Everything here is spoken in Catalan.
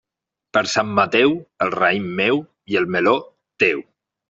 Per Sant Mateu, el raïm meu i el meló, teu.